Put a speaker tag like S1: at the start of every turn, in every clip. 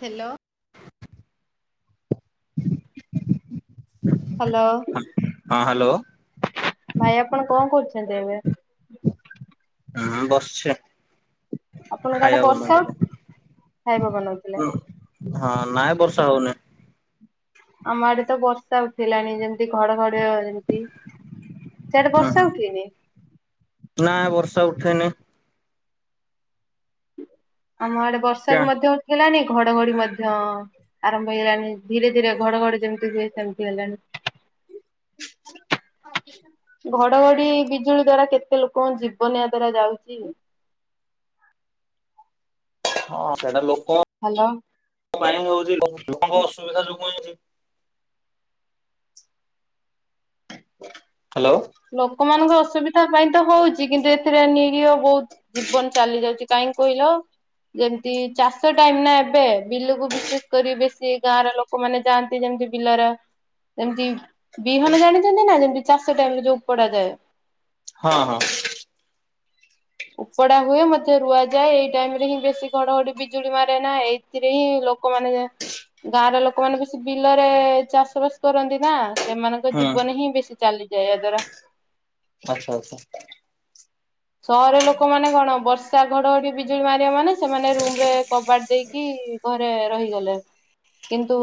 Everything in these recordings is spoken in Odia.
S1: ହ୍ୟାଲୋ ହ୍ୟାଲୋ
S2: ହଁ ହ୍ୟାଲୋ
S1: ଭାଇ ଆପଣ କଣ କରୁଛନ୍ତି ଏବେ?
S2: ହୁଁ ବସିଛି ଆଉ।
S1: ଆପଣଙ୍କ ଆଡେ ବର୍ଷା ହୋ - ଖାଇବା ବନଉ ଥିଲେ
S2: ହଁ ନାଇଁ ବର୍ଷା ହଉନି।
S1: ଆମ ଆଡେ ତ ବର୍ଷା ଉଠିଲାଣି ଯେମିତି ଘଡଘଡି ଅ -ଯେମତି ସିଆଡେ ବର୍ଷା ଉଠେଇନି?
S2: ନା ବର୍ଷା ଉଠେଇନି।
S1: ଆମ ଆଡେ ବର୍ଷା ବି ମଧ୍ୟ ଉଠେଇଲାଣି ଘଡଘଡି ମଧ୍ୟ ଆରମ୍ଭ ହେଇଗଲାଣି। ଧୀରେ ଧୀରେ ଘଡଘଡି ଯେମିତି ହୁଏ ସେମିତି ହେଲାଣି।
S2: [unintelligible]
S1: ଘଡଘଡି ବିଜୁଳି ଦ୍ଵାରା କେତେ ଲୋକଙ୍କ ଜୀବନଏହା ଦ୍ଵାରା ଯାଉଛି।
S2: ହଁ ସେଇଟା ଲୋକ
S1: ହ୍ୟାଲୋ।
S2: ପାଇଁ ହଉଛି ଲୋକଙ୍କ ଅସୁବିଧା ଯୋଗୁ ହେଇଛି। ହ୍ୟାଲୋ।
S1: ଲୋକମାନଙ୍କ ଅସୁବିଧା ପାଇଁ ତ ହଉଛି କିନ୍ତୁ ଏଥିରେ ନିରିହ ବହୁତ ଜୀବନ ଚାଲି ଯାଉଛି। କାହିଁକି କହିଲ? ଯେମତି ଚାଷ ଟାଇମ ନା ଏବେ ବିଲକୁ ବିଶେଷ କରି ବେଶୀ ଗାଁର ଲୋକ ଲୋକମାନେ ଯାଆନ୍ତି ଯେମତି ବିଲର ଯେମତି ବିହନ ଜାଣିଛନ୍ତି ନା ଯେମତି ଚାଷ ଟାଇମରେ ଯୋଉ ପଡାଯାଏ।
S2: ହଁ ହଁ।
S1: ଉପୁଡା ହୁଏ ନଧ୍ୟ ରୁଆଯାଏ ଏଇ ଟାଇମ ରେ ହିଁ ବେଶୀ ଘଡଘଡି ବିଜୁଳି ମାରେ ନା ଏ ସେଥିରେ ହିଁ ଲୋକମାନେ ଗାଁ ର ଲୋକମାନେ ବେଶୀ ବିଲରେ ଚାଷ ବାସ କରନ୍ତି ନା। ସେମାନଙ୍କ
S2: ହୁଁ
S1: ଜୀବନ ହିଁ ବେଶୀ ଚାଲିଯାଏ ୟା ଦ୍ୱାରା।
S2: ଆଚ୍ଛା ଆଚ୍ଛା।
S1: ସହର ଲୋକମାନେ କଣ ବର୍ଷା ଘଡଘଡି ବିଜୁଳି ମାରିବ ମାନେ ସେମାନେ ରୁମ ରେ କବାଡ ଦେଇକି ଘରେ ରହିଗଲେ। କିନ୍ତୁ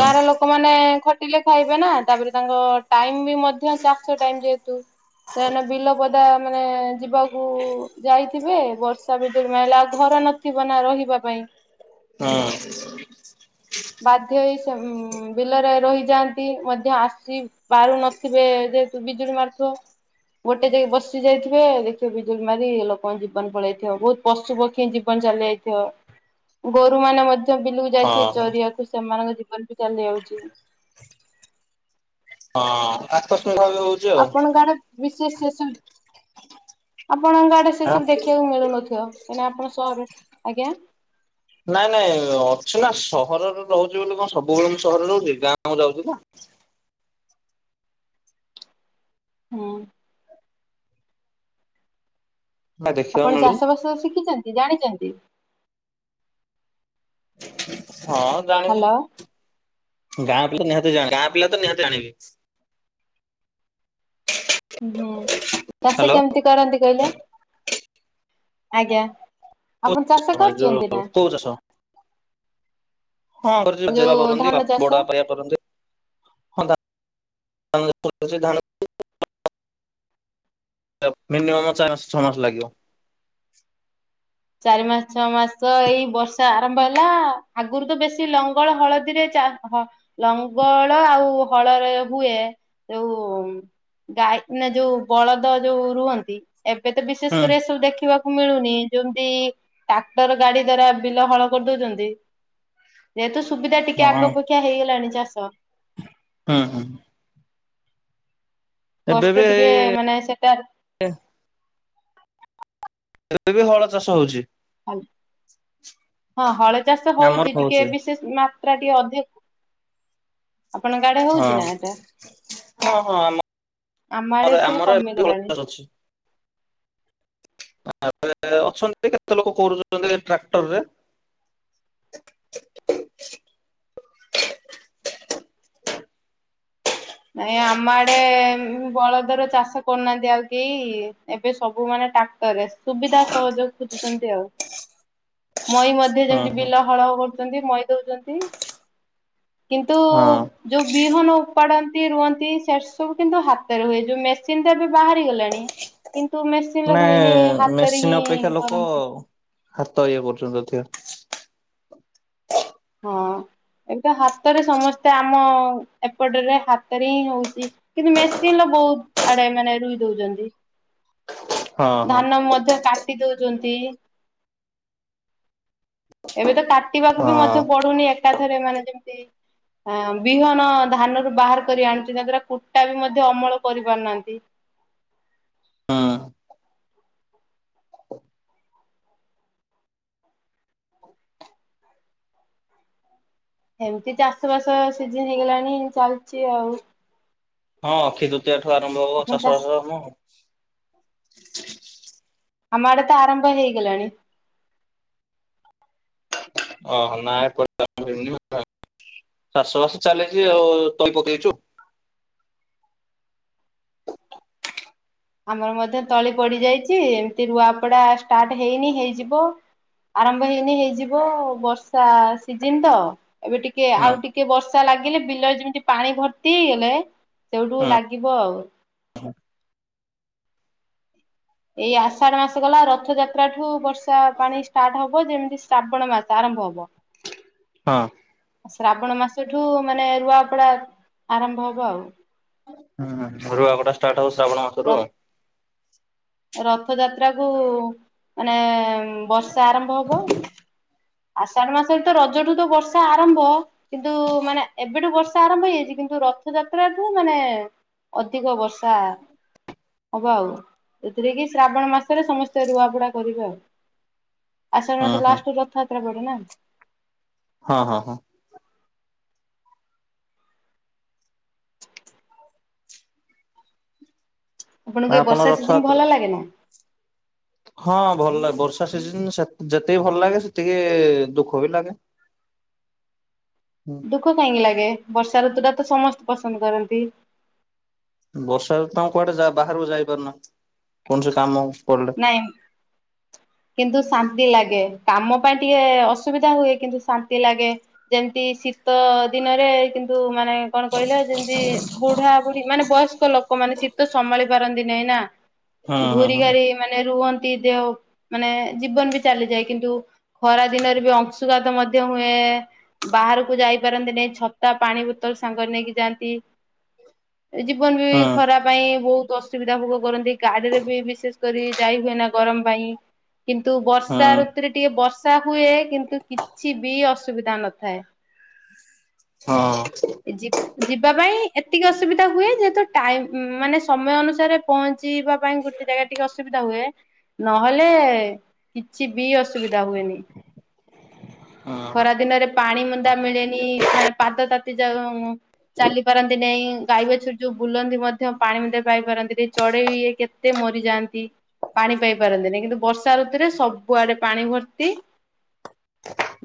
S1: ଗାଁର ଲୋକମାନେ ଖଟିଲେ ଖାଇବେ ନା ତାପରେ ତାଙ୍କ ଟାଇମ ବି ମଧ୍ୟ ଚାଷ ଟାଇମ ଯେହେତୁ ସେମାନେ ବିଲ ପଦା ମାନେ ଯିବାକୁ ଯାଇଥିବେ ବର୍ଷା ବିଜୁଳି ମାରିଲା ଆଉ ଘର ନଥିବ ନା ରହିବା ପାଇଁ।
S2: ହଁ।
S1: ବାଧ୍ୟ ହେଇ ସେମ୍ ବିଲରେ ରହିଯାଆନ୍ତି ମଧ୍ୟ ଆସି ପାରୁ ନଥିବେ ଯେହେତୁ ବିଜୁଳି ମାରୁଥିବ। ଗୋଟେ ଯାଇକି ବସି ଯାଇଥିବେ ବିଜୁଳି ମାରି ଲୋକଙ୍କ ଜୀବନ ପଳେଇଥିବ ବହୁତ ପଶୁ ପକ୍ଷୀ ଜୀବନ ଚାଲି ଯାଇଥିବ। ଗୋରୁ ମାନେ ମଧ୍ୟ ବିଲକୁ ଯାଇଥବେ
S2: ହଁ ହଁ
S1: ଚରିିବାକୁ ସେମାନଙ୍କ ଜୀବନ ବି ଚାଲି ଯାଉଛି।
S2: ହଁ ଆକସ୍ମିକ ଭାବେ ଯୋଉ
S1: ଆପଣଙ୍କ ଆଡେ ବିଶେଷ ସୁ ଆପଣଙ୍କ ଆଡେ ସେ ସବୁ ଦେଖିବାକୁ ମିଳୁନଥିବ କାହିଁକିନା ଆପଣ ସହରେ। ଆଜ୍ଞା।
S2: ନାଇଁ ନାଇଁ ଅଛି ନା ସହରରେ ରହୁଛି ବୋଲି କଣ ସବୁବେଳେ ମୁଁ ସହରରେ ରହୁଛି ଗାଁ ଯାଉଛି ନା।
S1: ହୁଁ।
S2: ନା। ଦେଖିବାକୁ
S1: ଆପଣ
S2: ମିଳୁଛି
S1: ଚାଷ ବାସ ଶିଖିଛନ୍ତି ଜାଣିଛନ୍ତି?
S2: ହଁ
S1: ହ୍ୟାଲୋ
S2: ଜାଣିଛି। ଗାଁ ପିଲା ନିହାତି ଜଣ ଗାଁ ପିଲା ତ ନିହାତି ଆଣିବେ।
S1: ହୁଁ ଚାଷ
S2: ହ୍ୟାଲୋ।
S1: କେମିତି କରନ୍ତି କହିଲେ? ଆଜ୍ଞା ଆପଣ ଚାଷ କରଚନ୍ତି
S2: ଯୋଉ
S1: ନା?
S2: କୋଉ ଚାଷ? ହଁ କର ରାଜ ବା
S1: ଯୋଉ
S2: କରନ୍ତି ବା
S1: ଧାନ
S2: ବଡ
S1: ଚାଷ
S2: ବାପା ଅରିକା କରନ୍ତି। ହଁ ଧ ଧାନ [unintelligible] ମିନିମମ୍ ଚାର ମା ଛଅ ମାସ ଲାଗିବ।
S1: ଚାରି ମାସ ଛଅ ମାସ ଏଇ ବର୍ଷା ଆରମ୍ଭ ହେଲା ଆଗରୁ ତ ବେଶୀ ଲଙ୍ଗଳ ହଳଦୀରେ ଚାଷ ଲଙ୍ଗଳ ଆଉ ହଳରେ ହୁଏ ଯୋଉ ଗାଈ ନା ଯୋଉ ବଳଦ ଯୋଉ ରୁହନ୍ତି ଏବେ ତ ବିଶେଷ
S2: ହୁଁ
S1: କରି ଏ ସବୁ ଦେଖିବାକୁ ମିଳୁନି। ଯେମତି ଟ୍ରାକ୍ଟର ଗାଡି ଦ୍ଵାରା ବିଲ ହଳ କରିଦଉଛନ୍ତି। ଯେହେତୁ ସୁବିଧା ଟିକେ ଆଗ
S2: ହଁ
S1: ଅପେକ୍ଷା ହେଇଗଲାଣି ଚାଷ।
S2: ହୁଁ ହୁଁ। ଏବେ ବି
S1: କଷ୍ଟ ଟିକେ
S2: ଏଇ
S1: ମାନେ ସେଟା
S2: ଏବେ ବି ହଳ ଚାଷ ହଉଛି।
S1: ହଁ ହଳ ଚାଷ ହଉଛି ଟିକେ ବିଶେଷ ମାତ୍ରା ଟିକେ ଅଧିକ, ଆପଣଙ୍କ ଆଡେ
S2: ହଁ
S1: ହଉଛି ନା ଏଟା?
S2: ହଁ ହଁ ଆମ
S1: ଆମ
S2: ଆମର
S1: ଆଡେ ଏ ସବୁ
S2: ଆମର
S1: କମେଇ
S2: ଏବେ ହଳ
S1: ଗଲାଣି।
S2: ଚାଷ ଅଛି ଅଛନ୍ତି କେତେ ଲୋକ କରୁଛନ୍ତି ଟ୍ରାକ୍ଟର ରେ।
S1: ନାଇଁ ଆମ ଆଡେ ବଳଦର ଚାଷ କରୁନାହାନ୍ତି ଆଉ କେହି ଏବେ ସବୁ ମାନେ ଟକ୍ ରେ ସୁବିଧା ସହଯୋଗ ଖୋଜୁଛନ୍ତି ଆଉ, ମଇ ମଧ୍ୟ
S2: ହୁଁ
S1: ଯେମତି
S2: ହୁଁ
S1: ବିଲ ହଳ କରୁଛନ୍ତି ମଇ ଦଉଛନ୍ତି, କିନ୍ତୁ
S2: ହଁ
S1: ଯୋଉ ବିହନ ଉପାଡ଼ନ ରୁହନ୍ତି ସେ ସବୁ କିନ୍ତୁ ହାତରେ ହୁଏ, ଯୋଉ ମେସିନ ତ ଏବେ ବାହାରିଗଲାଣି କିନ୍ତୁ ମେସି
S2: ନାଇ ମେସିନ ଅପେକ୍ଷା ଲୋକ
S1: କରନ୍ତି
S2: ହାତ ଇଏ କରୁଛନ୍ତି ଅଧିକା।
S1: ହଁ ଏବେ ହାତରେ ସମସ୍ତେ ଆମ ଏପଟରେ ହାତରେ ହିଁ ହଉଛି। କିନ୍ତୁ ମେସିନ ରେ ବହୁତ ଆଡେ ମାନେ ରୁଇ ଦଉଛନ୍ତି।
S2: ହଁ ହଁ
S1: ଧାନ ମଧ୍ୟ କାଟି ଦଉଛନ୍ତି, ଏବେ ତ କାଟ
S2: ହଁ।
S1: କାଟିବାକୁ ବି ମଧ୍ୟ ପଡୁନି ଏକାଥରେ ମାନେ ଯେମିତି ଅ ବିହନ ଧାନରୁୁ ବାହାର କରି ଆଣୁଛି ଯ ଦ୍ଵାରା କୁଟା ବି ମଧ୍ୟ ଅମଳ କରିପାରୁନାହାନ୍ତି।
S2: ହଁ।
S1: ଏମତି ଚାଷ ବାସ ସିଜନ ହେଇଗଲାଣି ଚାଲିଛି ଆଉ।
S2: ହଁ ଅକ୍ଷୀ ତୃତୀୟ ଠୁ ଆରମ୍ଭ ହବ ଚାଷ ବାଷ କାମ।
S1: ଆମ ଆଡେ ତ ଆରମ୍ଭ ହେଇଗଲାଣି।
S2: ଓହୋ ନା ଏପଟେ ଚାଷବାସ ଚାଲିଛି ଆଉ ତଳି ପକେଇଛୁ ଆଉ।
S1: ଆମର ମଧ୍ୟ ତଳି ପଡି ଯାଇଛି, ଏମତି ରୁଆପଡା ଷ୍ଟାର୍ଟ ହେଇନି ହେଇଯିବ। ଆରମ୍ଭ ହେଇନି ହେଇଯିବ ବର୍ଷା ସିଜନ ତ। ଏବେ ଟିକେ
S2: ହଁ
S1: ଆଉ ଟିକେ ବର୍ଷା ଲାଗିଲେ ବିଲରେ ଯେମିତି ପାଣି ଭର୍ତ୍ତି ହେଇଗଲେ ସେଇଠୁ ଲାଗିବ ଆଉ।
S2: ହଁ।
S1: ଏଇ ଆଷାଢ ମାସ ଗଲା ରଥଯାତ୍ରାଠୁ ବର୍ଷା ପାଣି ଷ୍ଟାର୍ଟ ହବ ଯେମିତି ଶ୍ରାବଣ ମାସ ଆରମ୍ଭ ହବ।
S2: ହଁ।
S1: ଶ୍ରାବଣ ମାସ ଠୁ ମାନେ ରୁଆପଡା ଆରମ୍ଭ ହବ ଆଉ।
S2: ହୁଁ ହୁଁ ରୁଆ ପଡା ଷ୍ଟାର୍ଟ ହବ ଶ୍ରାବଣ ମାସରୁ ଆଉ।
S1: ରଥ ଯାତ୍ରା କୁ ମାନେ ବର୍ଷା ଆରମ୍ଭ ହବ।
S2: ହ [unintelligible]
S1: ଆଷାଢ ମାସରେ ତ ରଜଠୁ ତ ବର୍ଷା ଆରମ୍ଭ। କିନ୍ତୁ ମାନେ ଏବେଠୁ ବର୍ଷା ଆରମ୍ଭ ହେଇଯାଇଛି କିନ୍ତୁ ରଥଯାତ୍ରାଠୁ ମାନେ ଅଧିକ ବର୍ଷା ହବ ଆଉ, ଏଥିରେ କି ଶ୍ରାବଣ ମାସରେ ସମସ୍ତେ ରୁଆପୁଡା କରିବେ ଆଉ। ଆଷାଢ
S2: ହଁ
S1: ମାସ
S2: ହଁ
S1: ଲାଷ୍ଟକୁ ରଥଯାତ୍ରା ପଡ଼େ ନା।
S2: ହଁ ହଁ ହଁ।
S1: ଆପଣଙ୍କୁ ଏ
S2: ଆପଣ
S1: ବର୍ଷା ସିଜନ
S2: ରଥଯାତ୍ରା
S1: ଭଲ ଲାଗେ ନା?
S2: ହଁ ଭଲ ଲାଗେ ବର୍ଷା ସିଜନ ସେ ଯେତିକି ଭଲ ଲାଗେ ସେତିକି ଦୁଃଖ ବି ଲାଗେ। ହୁଁ।
S1: ଦୁଃଖ କାହିଁକି ଲାଗେ, ବର୍ଷା ଋତୁ ଟା ତ ସମସ୍ତେ ପସନ୍ଦ କରନ୍ତି।
S2: ବର୍ଷା ଋତୁ ଆମେ ଜା କୁଆଡେ ବାହାରକୁ ଯାଇପାରୁନା, କୌଣସି କାମ ପ
S1: ଟାଇମ୍ କିନ୍ତୁ ଶାନ୍ତି ଲାଗେ, କାମ ପାଇଁ ଟିକେ ଅସୁବିଧା ହୁଏ କିନ୍ତୁ ଶାନ୍ତି ଲାଗେ। ଯେମତି ଶୀତ ଦିନରେ କିନ୍ତୁ ମାନେ କଣ କହିଲେ ଯେମତି ବୁଢା ବୁଢୀ ମାନେ ବୟସ୍କ ଲୋକମାନୋନେ ଶୀତ ସମ୍ଭାଳି ପାରନ୍ତି ନାହିଁ ନା,
S2: ହଁ ହଁ
S1: ଘୁରି
S2: ହଁ
S1: ଘାରି ମାନେ ରୁହନ୍ତି ଦେହ ମାନେ ଜୀବନ ବି ଚାଲିଯାଏ କିନ୍ତୁ ଖରା ଦିନରେ ବି ଅଂଶୁଘାତ ମଧ୍ୟ ହୁଏ। ବାହାରକୁ ଯାଇ ପାରନ୍ତି ନାହିଁ। ଛତା ପାଣି ବୋତଲ ସାଙ୍ଗରେ ନେଇକି ଯାଆନ୍ତି। ଜୀବନ ବି
S2: ହଁ
S1: ଖରା ପାଇଁ ବହୁତ ଅସୁବିଧା ଭୋଗ କରନ୍ତି କାଡିରେ ବିଶେଷ କରି ଯାଇ ହୁଏ ନା ଗରମ ପାଇଁ କିନ୍ତୁ
S2: ହଁ
S1: ବର୍ଷା ଋତୁରେ ଟିକେ ବଶ୍ ର୍ଷା ହୁଏ କିନ୍ତୁ କିଛି ବି ଅସୁବିଧା ନଥାଏ।
S2: ହଁ
S1: ଏଜିି ଯିବା ପାଇଁ ଏତିକି ଅସୁବିଧା ହୁଏ ଯେହେତୁ ଟାଇମ ମାନେ ସମୟ ଅନୁସାରେ ପହଞ୍ଚିବା ପାଇଁ ଗୋଟେ ଜାଗା ଟିକିଏ ଅସୁବିଧା ହୁଏ। ନହେଲେ କିଛି ବି ଅସୁବିଧା ହୁଏନି।
S2: ହଁ।
S1: ଖରା ଦିନରେ ପାଣି ମୁଁନ୍ଦା ମିଳେନି ମାନେ ପାଦ ତାତି ଯା ଚାଲି ପାରନ୍ତି ନାଇଁ। ଗାଈ ବାଛୁରି ଯୋଉଁ ବୁଲନ୍ତି ମଧ୍ୟ ମୁଁନ୍ଦେ ପାଇପାରନ୍ତି ଚଢ଼େଇ ଇଏ କେତେ ମରିଯାଆନ୍ତି ପି ପାଣି ପାଇ ପାରନ୍ତି ନାହିଁ କିନ୍ତୁ ବର୍ଷା ଋତୁରେ ସବୁଆଡେ ପାଣି ଭର୍ତ୍ତି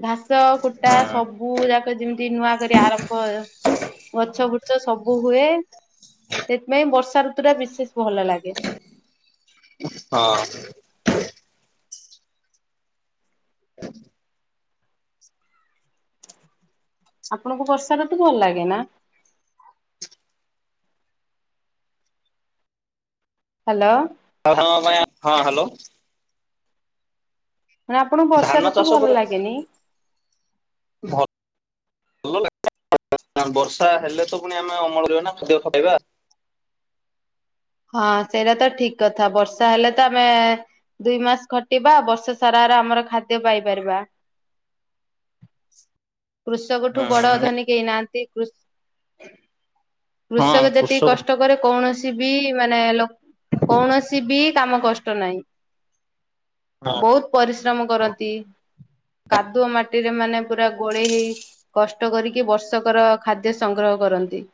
S1: ଘାସ କୁଟା ସବୁ ଯାକ ଯେମିତି ନୂଆ କରି ଆରମ୍ଭ ଗଛ ବୃକ୍ଷ ସବୁ ହୁଏ, ସେଥିପାଇଁ ବର୍ଷା ଋତୁ ଟା ବିଶେଷ ଭଲ ଲାଗେ।
S2: ହଁ।
S1: ଆପଣଙ୍କୁ ବର୍ଷା ଋତୁଭଲ ଲାଗେ ନା? ହ୍ୟାଲୋ।
S2: [inaudible] ହଁ ହଁ ହ୍ୟାଲୋ।
S1: ମାନେ ଆପଣଙ୍କୁ ବର୍ଷା ଋତୁ ଭଲ ଲାଗେନି?
S2: ଭ ଭଲ ଲାଗେ ବର୍ଷା ହେଲେ ତ ପୁଣି ଆମେ ଅମଳ କରିବା ନା ଖାଦ୍ୟ ଖାଇବା।
S1: ହଁ ସେଇଟା ତ ଠିକ କଥା। ବର୍ଷା ହେଲେ ତ ଆମେ ଦୁଇ ମାସ ଖଟିବା ବର୍ଷ ସାରା ରା ଆମର ଖାଦ୍ୟ ପାଇପାରିବା। କୃଷକ ଠୁ ବଡ ଧନୀ କେହି ନାହାନ୍ତି କୃ କୃଷକ ଯେତିକି କଷ୍ଟ କରେ କୌଣସି ବି ମାନେ ଲୋକ କୌଣସି ବି କାମ କଷ୍ଟ ନାହିଁ।
S2: ହଁ
S1: ବହୁତ ପରିଶ୍ରମ କରନ୍ତି। କାଦୁଅ ମାଟିରେ ମାନେ ପୁରା ଗୋଳେଇ ହେଇ କଷ୍ଟ କରିକି ବର୍ଷକର ଖାଦ୍ୟ ସଂଗ୍ରହ କରନ୍ତି।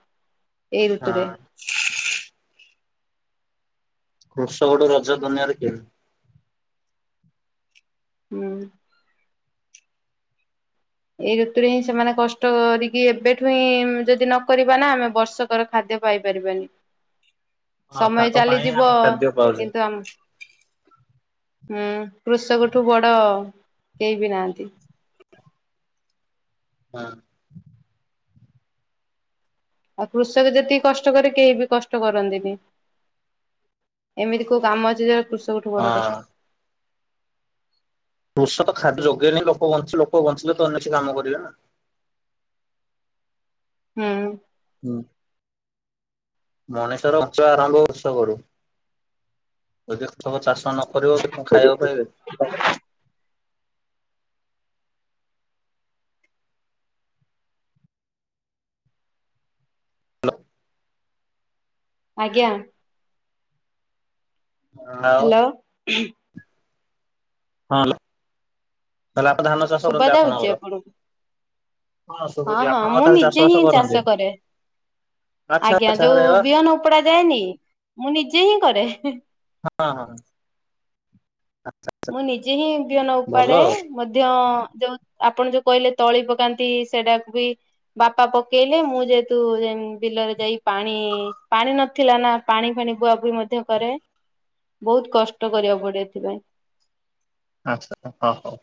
S1: ଏଇ ଋତୁରେ
S2: ହଁ। କୃଷକ ଠୁ ରଜ ଦୁନିଆରେ କେହିଁ
S1: ହୁଁ। ଏଇ ଋତୁରେ ହିଁ ସେମାନେ କଷ୍ଟ କରିକି ଏବେଠୁ ହିଁ ଯଦି ନକରିବେ ନା ଆମେ ବର୍ଷ କର ଖାଦ୍ୟ ପାଇପାରିବାନି।
S2: ହଁ
S1: ସମୟ
S2: ତାଙ୍କ ପାଇଁ
S1: ଚାଲିଯିବ
S2: ଆମେ ଖାଦ୍ୟ ପାଉଛେ।
S1: କିନ୍ତୁ ଆମ ହୁଁ କୃଷକଠୁ ବଡ଼ କେହି ବି ନାହାଁନ୍ତି।
S2: ହଁ।
S1: ଆଉ କୃଷକ ଯେତିକି କଷ୍ଟ କରେ କେହି ବି କଷ୍ଟ କରନ୍ତିନି। ଏମିତି କୋଉ କାମ ଅଛି ଯୋଉ କୃଷକଠୁ ବଡ
S2: ହଁ
S1: କଷ୍ଟ
S2: କୃଷକ ଖାଦ୍ୟ ଯୋଗେଲେନହି ଲୋକ ବ ଲୋକ ବଞ୍ଚିଲେ ତ ଅନ୍ୟ କିଛି କାମ କରିବେ ନା।
S1: ହୁଁ।
S2: ହୁଁ ମଣିଷର ବଞ୍ଚିବା [unintelligible] କୃଷକ ଠୁ। ଯଦି ସବ ଚାଷ ନ କରିବ କି କଣ ଖାଇବାକୁ ପାଇବେ?
S1: [unintelligible]
S2: ହ୍ୟାଲୋ।
S1: ଆଜ୍ଞା।
S2: ଆଉ
S1: ହ୍ୟାଲୋ।
S2: ହଁ ତାହେଲେ ବାପାଧାନ ଚାଷ
S1: ଶୁଭା
S2: କରନ୍ତି ଆପଣ
S1: ଯାଉଛି
S2: କର?
S1: ଆପଣଙ୍କୁ?
S2: ହଁ ଶୁଭୁଛି
S1: ହଁ
S2: ଆପଣଙ୍କ
S1: ମୁଁ
S2: ତାହେଲେ
S1: ନିଜେ
S2: ଚାଷ
S1: ହିଁ
S2: ବାସ କରନ୍ତି?
S1: ଚାଷ କରେ
S2: ଆଚ୍ଛା ଆଚ୍ଛା ହରେ ବା।
S1: କପଡା ଯାଏନିକି ମୁଁ ନିଜେ ହିଁ କରେ।
S2: ହଁ ହଁ।
S1: ମୁଁ ନିଜେ ହିଁ ବିଅନ
S2: ଭଲ
S1: ଉପାଡେ
S2: ଆଉ
S1: ମଧ୍ୟ ଯୋଉ ଆପଣ ଯୋଉ କହିଲେ ତଳି ପକାନ୍ତି ସେଟାକୁ ବି ବାପା ପକେଇଲେ ମୁଁ ଯେହେତୁ ଯେମ ବିଲରେ ଯାଇ ପାଣି ପାଣି ନଥିଲା ନା? ପାଣି ଫାଣି ବୁଆ ଭୁଇ ମଧ୍ୟ କରେ ବହୁତ୍ କଷ୍ଟ କରିବାକୁ ପଡେ ଏଥିପାଇଁ।
S2: ଆଚ୍ଛା ହଉ ହଉ।